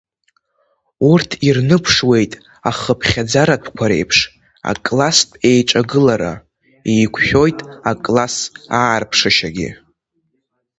Урҭ ирныԥшуеит, ахыԥхьаӡаратәқәа реиԥш, акласстә еиҿагылара, еиқәшәоит акласс аарԥшышьалагьы…